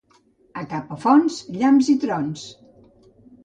A Capafonts, llamps i trons.